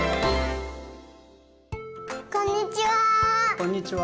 こんにちは。